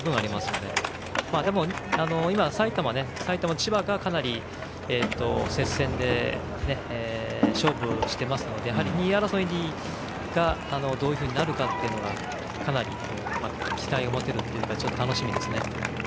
でも今、埼玉と千葉がかなり接戦で勝負していますので２位争いがどういうふうになるかがかなり期待を持てるというか楽しみですね。